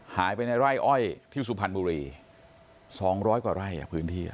หายไปในไร่อ้อยที่สุพรรณบุรีสองร้อยกว่าไร่อ่ะพื้นที่อ่ะ